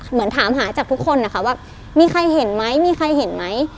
เหมือนถามหาจากทุกคนนะคะว่ามีใครเห็นไหมมีใครเห็นไหม